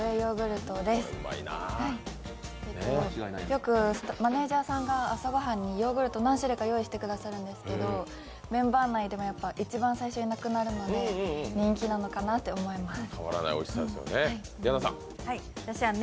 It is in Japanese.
よくマネージャーさんが朝ご飯にヨーグルトを何種類か用意してくださるんですけどメンバー内でも一番最初になくなるので人気なのかなって思います。